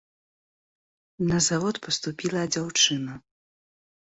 На завод паступіла дзяўчына.